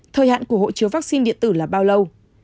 thời hạn của hộ chiếu vaccine điện tử là bao lâu